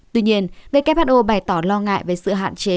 tuy nhiên who bày tỏ lo ngại về sự hạn chế